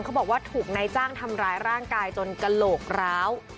เขาบอกว่าถูกนายจ้างทำร้ายร่างกายจนกระโหลกร้าว